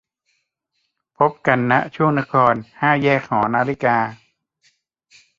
พบกัน ณ ข่วงนคร ห้าแยกหอนาฬิกา